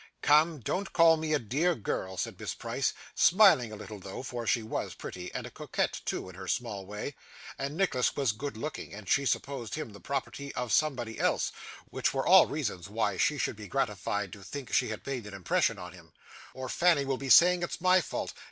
'Come, don't call me a dear girl,' said Miss Price smiling a little though, for she was pretty, and a coquette too in her small way, and Nicholas was good looking, and she supposed him the property of somebody else, which were all reasons why she should be gratified to think she had made an impression on him, 'or Fanny will be saying it's my fault.